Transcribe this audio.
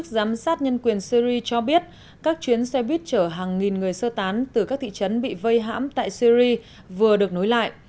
giám sát nhân quyền syri cho biết các chuyến xe buýt chở hàng nghìn người sơ tán từ các thị trấn bị vây hãm tại syri vừa được nối lại